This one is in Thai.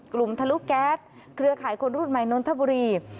ทะลุแก๊สเครือข่ายคนรุ่นใหม่นนทบุรี